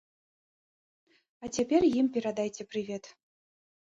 А цяпер ім перадайце прывет.